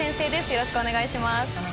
よろしくお願いします。